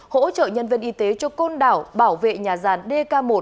hỗ trợ nhân viên y tế cho côn đảo bảo vệ nhà ràn dk một